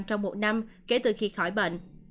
trong một năm kể từ khi khỏi bệnh